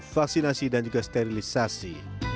vaksinasi dan juga sterilisasi